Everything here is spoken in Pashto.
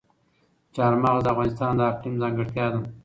چار مغز د افغانستان د اقلیم ځانګړتیا ده.